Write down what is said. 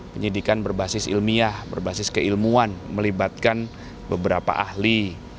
penyidikan berbasis ilmiah berbasis keilmuan melibatkan beberapa ahli